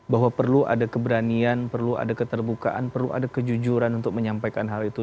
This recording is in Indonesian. bahwa perlu ada keberanian perlu ada keterbukaan perlu ada kejujuran untuk menyampaikan hal itu